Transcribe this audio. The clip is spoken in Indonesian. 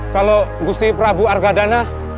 kalau gusti prabu argadana